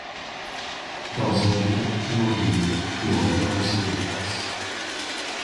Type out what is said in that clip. Dans un vide immobile où rien ne se déplace